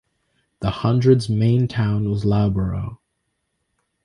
The hundred's main town was Loughborough.